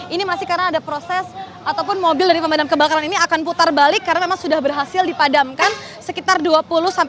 ini masih karena ada proses ataupun mobil dari pemandang kebakaran ini akan putar balik karena memang sudah berhasil dipadamkan sekitar dua puluh sampai tiga puluh menit di area